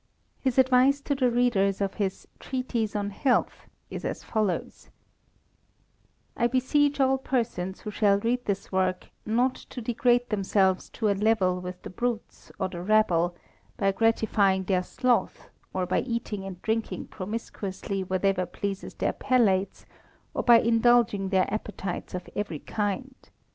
His advice to the readers of his "Treatise on Health" is as follows: "I beseech all persons who shall read this work not to degrade themselves to a level with the brutes, or the rabble, by gratifying their sloth, or by eating and drinking promiscuously whatever pleases their palates, or by indulging their appetites of every kind.